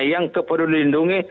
yang ke peduli lindungi